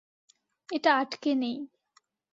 এটা আটকে নেই।